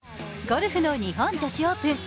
ゴルフの日本女子オープン。